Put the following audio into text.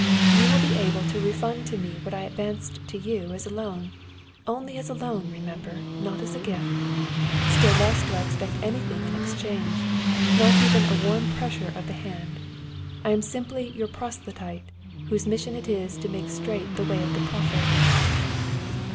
You will be able to refund to me what I advanced to you as a loan. Only as a loan remember, not as a gift; still less do I expect anything in exchange, not even a warm pressure of the hand. I am simply your proselyte whose mission it is to make straight the way of the prophet."